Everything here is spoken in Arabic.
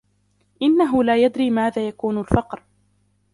إنه لا يدري ماذا يكون الفقر.